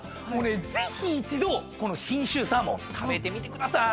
ぜひ一度この信州サーモン食べてみてください。